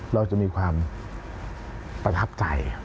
เราจะมีความประทับใจ